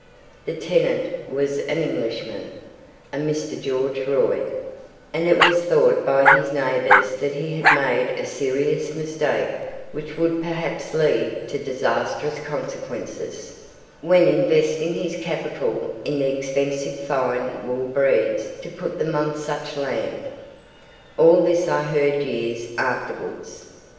The tenant was an Englishman, a Mr. George Royd, and it was thought by his neighbours that he had made a serious mistake which would perhaps lead to disastrous consequences, when investing his capital in the expensive fine wool breeds to put them on such land. All this I heard years afterwards.